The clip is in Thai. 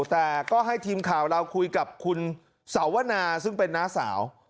แต่ก็ให้ทีมข่าวเราคุยกับคุณสาวนาซึ่งเป็นน้าสาว